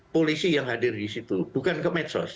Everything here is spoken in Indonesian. polisi yang hadir di situ bukan ke medsos